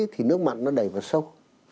thì nước mặn nó đẩy vào sâu